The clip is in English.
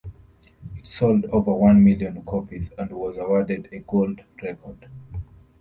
It sold over one million copies and was awarded a gold record.